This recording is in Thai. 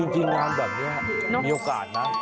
จริงงานแบบนี้มีโอกาสนะ